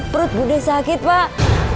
perut bu nek sakit pak